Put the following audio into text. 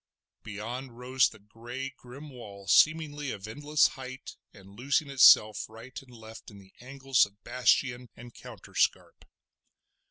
Beyond rose the grey, grim wall seemingly of endless height, and losing itself right and left in the angles of bastion and counterscarp.